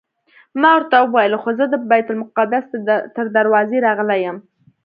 ما ورته وویل خو زه د بیت المقدس تر دروازې راغلی یم.